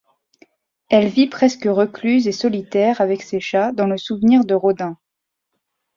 Elle vit presque recluse et solitaire avec ses chats dans le souvenir de Rodin.